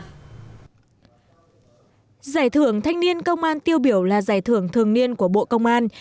giải thưởng thanh niên công an tiêu biểu là giải thưởng thường niên của bộ công an